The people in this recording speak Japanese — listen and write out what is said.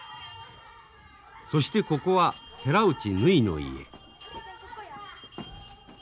そしてここは寺内ぬひの家。